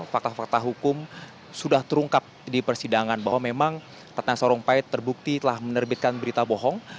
fakta fakta hukum sudah terungkap di persidangan bahwa memang ratna sarumpait terbukti telah menerbitkan berita bohong